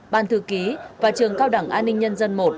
ban thư ký và trường cao đẳng an ninh nhân dân i